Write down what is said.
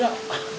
gak enak ya